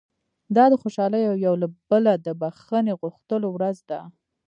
دا د خوشالۍ او یو له بله د بښنې غوښتلو ورځ ده.